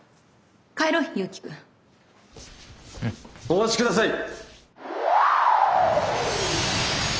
お待ちください！